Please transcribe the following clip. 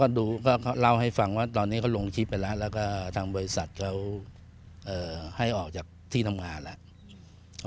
ดูก็เล่าให้ฟังว่าตอนนี้เขาลงคลิปไปแล้วแล้วก็ทางบริษัทเขาให้ออกจากที่ทำงานแล้ว